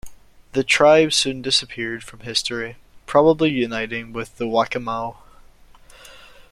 The tribe soon disappeared from history, probably uniting with the Waccamaw.